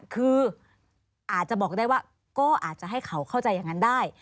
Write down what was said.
คืออาจจะบอกได้ว่าก็อาจจะให้เขาเข้าใจอย่างนั้นได้